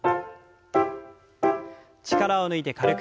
力を抜いて軽く。